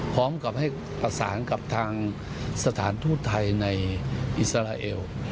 พร้อมกับให้ประสานกับทางสถานทูตไทยในอิสราเอล